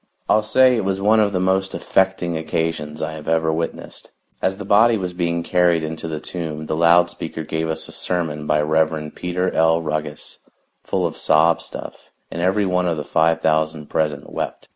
I'll say it was one of the most affecting occasions I have ever witnessed. As the body was being carried into the tomb the loud speaker gave us a sermon by Rev. Peter L. Ruggus, full of sob stuff, and every one of the five thousand present wept.